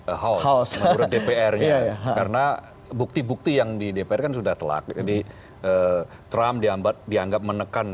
menurut haus dpr karena bukti bukti yang di depan sudah telah jadi trump diambil dianggap menekan